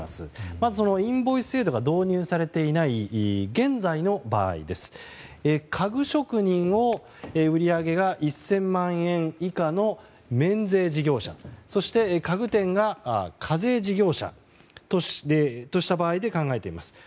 まずインボイス制度が導入されていない現在の場合家具職人を売り上げが１０００万円以下の免税事業者そして家具店が課税事業者とした場合で考えてみます。